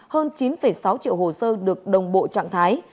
hơn chín sáu triệu hồ sơ được đồng bộ trạng thái